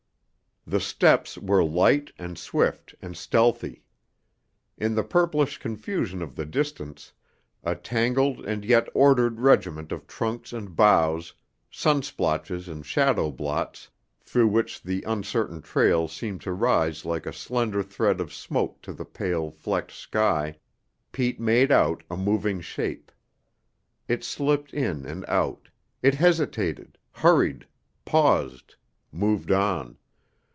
The steps were light and swift and stealthy. In the purplish confusion of the distance, a tangled and yet ordered regiment of trunks and boughs, sun splotches and shadow blots, through which the uncertain trail seemed to rise like a slender thread of smoke to the pale, flecked sky, Pete made out a moving shape. It slipped in and out; it hesitated, hurried, paused, moved on.